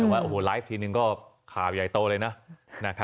ว่าไลฟ์ทีนึงก็ขาวใหญ่โตเลยนะ